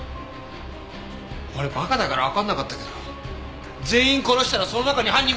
俺バカだからわかんなかったけど全員殺したらその中に犯人もいるだろう！？